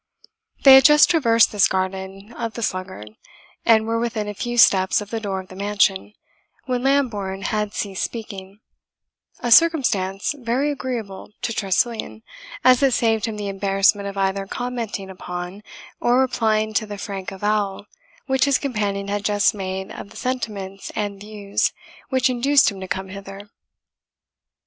They had just traversed this garden of the sluggard, and were within a few steps of the door of the mansion, when Lambourne had ceased speaking; a circumstance very agreeable to Tressilian, as it saved him the embarrassment of either commenting upon or replying to the frank avowal which his companion had just made of the sentiments and views which induced him to come hither.